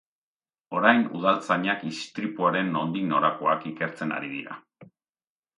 Orain, udaltzainak istripuaren nondik norakoak ikertzen ari dira.